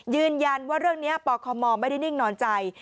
ยืนยันว่าเรื่องนี้ปคมไม่ได้นิ่งนอนใจ